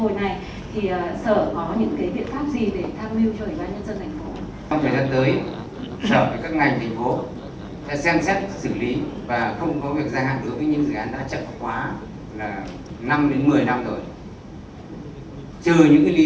trong thời gian tới các ngành thành phố sẽ xem xét xử lý và không có việc giả hạn đối với những dự án đã chậm quá năm một mươi năm rồi trừ những lý do bất thực hạng theo luật